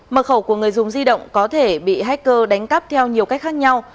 mật khẩu của người dùng di động có thể bị hacker đánh cắp theo nhiều cách khác nhau